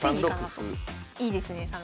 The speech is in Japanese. いいですね